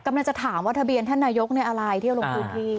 กำลังจะถามว่าทะเบียนท่านนายกอะไรที่จะลงพื้นที่